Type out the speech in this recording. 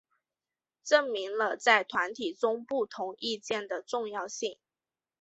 证明了在团体中不同意见的重要性。